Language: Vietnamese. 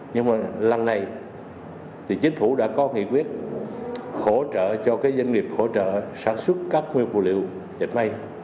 nhưng mà lần này thì chính phủ đã có nghị quyết khổ trợ cho các doanh nghiệp khổ trợ sản xuất các nguyên liệu dệt mai